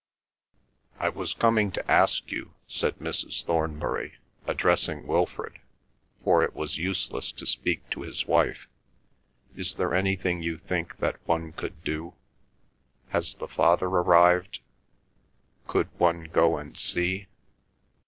"I was coming to ask you," said Mrs. Thornbury, addressing Wilfrid, for it was useless to speak to his wife. "Is there anything you think that one could do? Has the father arrived? Could one go and see?"